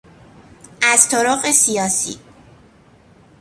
از طرق سیاسی